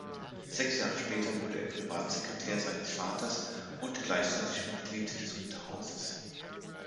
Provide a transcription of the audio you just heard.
Sechs Jahre später wurde er Privatsekretär seines Vaters und gleichzeitig Mitglied des Unterhauses.